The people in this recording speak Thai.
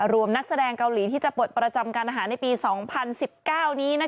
รวมนักแสดงเกาหลีที่จะปวดประจำการอาหารในปีสองพันสิบเก้านี้นะคะ